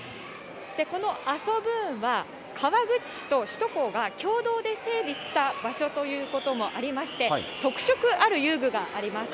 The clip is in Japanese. このアソブーンは、川口市と首都高が共同で整備した場所ということもありまして、特色ある遊具があります。